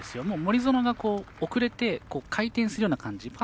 もう森薗が遅れて回転するような感じ。